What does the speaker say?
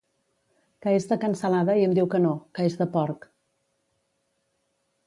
Que és de cansalada i em diu que no, que és de porc